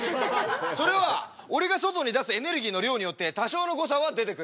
それは俺が外に出すエネルギーの量によって多少の誤差は出てくる。